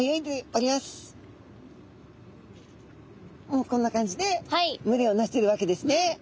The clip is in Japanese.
もうこんな感じで群れをなしてるわけですね。